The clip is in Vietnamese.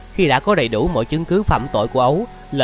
khi đã có đầy đủ mọi chứng cứ bắt ấu